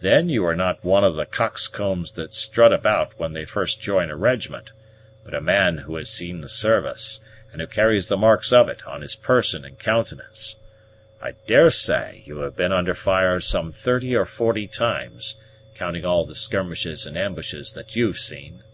Then you are not one of the coxcombs that strut about when they first join a regiment; but a man who has seen service, and who carries the marks of it on his person and countenance. I daresay you have been under fire some thirty or forty times, counting all the skirmishes and ambushes that you've seen."